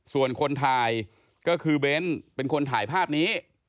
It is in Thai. ส่วนคนถ่ายก็คือเบ้นเป็นคนถ่ายภาพนี้